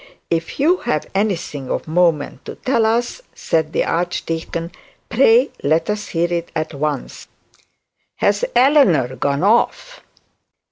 'If you have anything of moment to tell us, said the archdeacon, 'pray let us hear it at once. Has Eleanor gone off?'